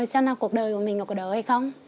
xem là cuộc đời của mình nó có đỡ hay không